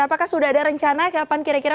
apakah sudah ada rencana kapan kira kira